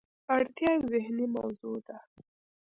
اړتیا ذهني موضوع ده.